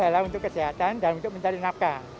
kau helah untuk kesehatan dan untuk mencari nafkah